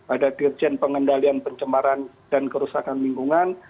ada dirjen pengendalian pencemaran dan kerusakan lingkungan